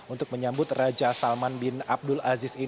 untuk menyambut raja salman bin zahra